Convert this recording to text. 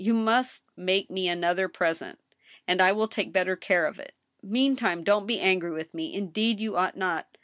You must make me another pres ent, and I will take better care of it. Meantime, don't be angry with me — ^indeed, you ought not.